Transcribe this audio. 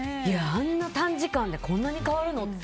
あんな短時間でこんなに変わるの？って。